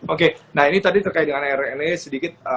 oke nah ini tadi terkait dengan rna sedikit